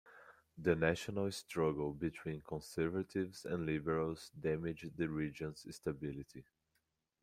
The national struggle between conservatives and liberals damaged the region's stability.